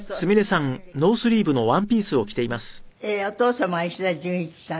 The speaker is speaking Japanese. お父様が石田純一さん。